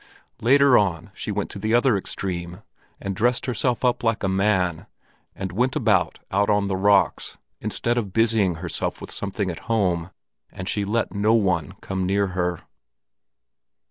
Later on she went to the other extreme, and dressed herself up like a man, and went about out on the rocks instead of busying herself with something at home; and she let no one come near her.